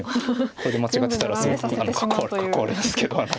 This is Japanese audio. これで間違ってたらすごい格好悪いんですけど。